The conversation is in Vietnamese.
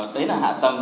đấy là hạ tầng